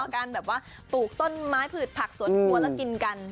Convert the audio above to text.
การปลูกต้นไม้ผืดผักสวนกลัวแล้วกินกัน